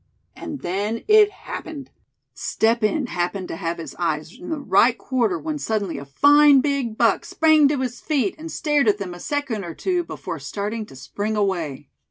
And then it happened! Step Hen happened to have his eyes in the right quarter when suddenly a fine big buck sprang to its feet, and stared at them a second or two, before starting to spring away.